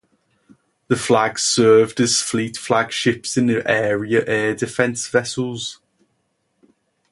The ships served as fleet flagships and area air defence vessels.